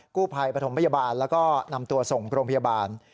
กู้ภัยปฐมพยาบาลแล้วก็นำตัวส่งโรงพยาบาล